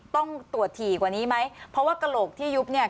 ต้องตรวจถี่กว่านี้ไหมเพราะว่ากระโหลกที่ยุบเนี่ย